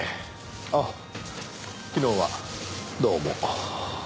あっ昨日はどうも。